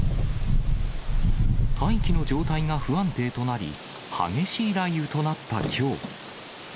大気の状態が不安定となり、激しい雷雨となったきょう。